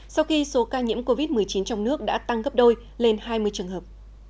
sau khi số ca nhiễm covid một mươi chín trong nước đã tăng gấp đôi lên hai mươi trường hợp